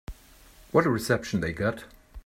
What a reception they got.